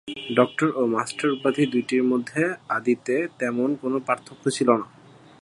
Doctor ও master উপাধি দুইটির মধ্যে আদিতে তেমন কোনও পার্থক্য ছিল না।